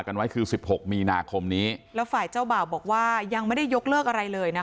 กันไว้คือสิบหกมีนาคมนี้แล้วฝ่ายเจ้าบ่าวบอกว่ายังไม่ได้ยกเลิกอะไรเลยนะคะ